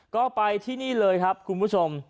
ก็ไปที่นี่เลยครับคุณผู้ชม